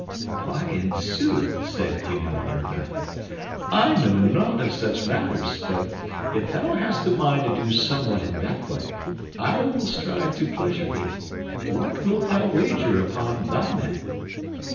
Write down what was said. "Why, in sooth," said Queen Eleanor, laughing, "I know nought of such matters, but if thou hast a mind to do somewhat in that way, I will strive to pleasure thee. What wilt thou wager upon thy men?"